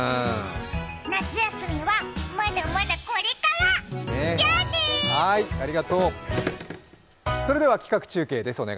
夏休みはまだまだこれから、じゃあね。